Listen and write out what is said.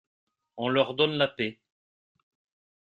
On leur donne la paix.